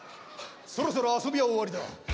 そろそろ遊びは終わりだ。